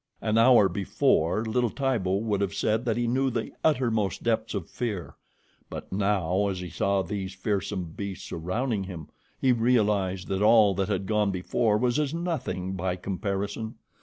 An hour before little Tibo would have said that he knew the uttermost depths of fear; but now, as he saw these fearsome beasts surrounding him, he realized that all that had gone before was as nothing by comparison.